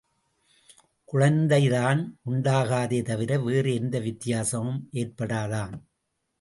குழந்தைதான் உண்டாகாதே தவிர வேறு எந்த வித்தியாசமும் ஏற்படாதாம்.